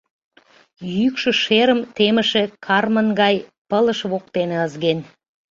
Йӱкшӧ шерым темыше кармын гай пылыш воктене ызген.